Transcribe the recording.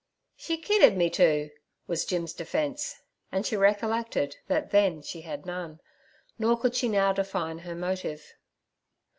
'She kidded me to' was Jim's defence, and she recollected that then she had none. Nor could she now define her motive.